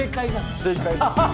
正解です。